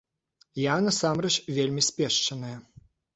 Я, насамрэч, вельмі спешчаная.